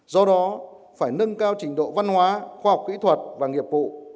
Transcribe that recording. do đó phải nâng cao trình độ văn hóa khoa học kỹ thuật và nghiệp vụ